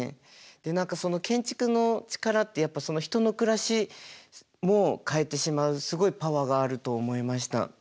で何かその建築の力ってやっぱ人の暮らしも変えてしまうすごいパワーがあると思いました。